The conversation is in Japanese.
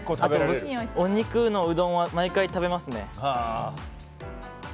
お肉のうどんは毎回食べますね。